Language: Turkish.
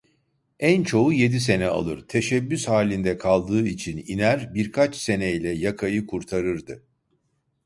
En çoğu yedi sene alır, teşebbüs halinde kaldığı için iner, birkaç seneyle yakayı kurtarırdı.